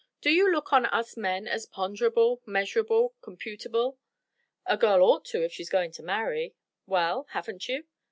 Do you look on us men as ponderable, measurable, computable?" "A girl ought to if she's going to marry." "Well, haven't you?"